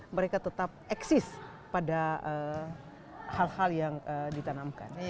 mereka tetap eksis pada hal hal yang ditanamkan